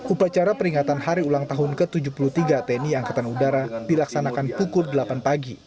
upacara peringatan hari ulang tahun ke tujuh puluh tiga tni angkatan udara dilaksanakan pukul delapan pagi